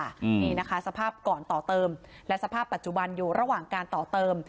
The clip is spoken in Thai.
อืมนี่นะคะสภาพก่อนต่อเติมและสภาพปัจจุบันอยู่ระหว่างการต่อเติม